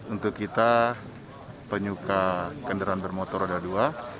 untuk kita penyuka kendaraan bermotor ada dua